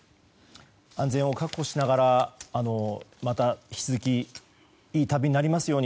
安全を確保しながらまた引き続きいい旅になりますように。